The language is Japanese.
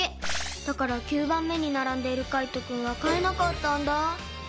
だから９ばんめにならんでいるカイトくんはかえなかったんだ。